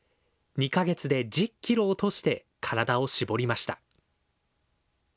２か月で１０キロ落として、体を絞りました。